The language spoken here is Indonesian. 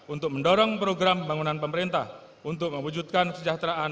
untuk mendorong program pembangunan pemerintah untuk mewujudkan kesejahteraan